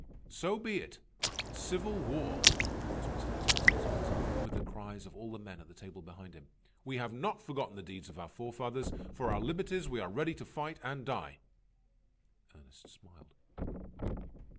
"So be it, civil war," was Mr. Asmunsen's answer, with the cries of all the men at the table behind him. "We have not forgotten the deeds of our forefathers. For our liberties we are ready to fight and die." Ernest smiled.